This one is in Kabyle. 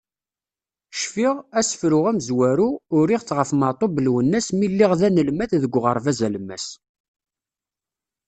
Cfiɣ, asefru amezwaru, uriɣ-t ɣef Meɛtub Lwennas mi lliɣ d anelmad deg uɣerbaz alemmas.